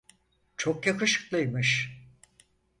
Çok yakışıklıymış.